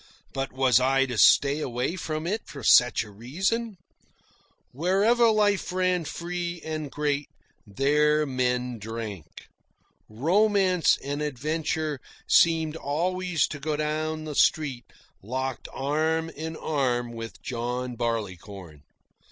But was I to stay away from it for such reason? Wherever life ran free and great, there men drank. Romance and Adventure seemed always to go down the street locked arm in arm with John Barleycorn.